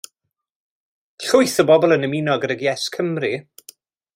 Llwyth o bobl yn ymuno gydag Yes Cymru.